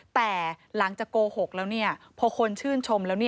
แต่หลังจากโกหกแล้วพอคนชื่นชมแล้ว